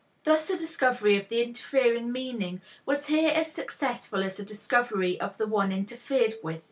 Thus the discovery of the interfering meaning was here as successful as the discovery of the one interfered with.